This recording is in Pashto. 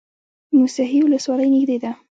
موسهي ولسوالۍ نږدې ده؟